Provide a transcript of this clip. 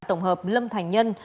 tổng hợp lâm thành nhân